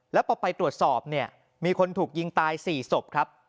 แล้วพอไปตรวจสอบเนี่ยมีคนถูกยิงตาย๔ศพครับ